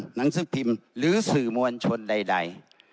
หนังสือพิมพ์หรือสื่อมวลชนใด